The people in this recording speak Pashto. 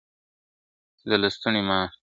د لستوڼي مار !.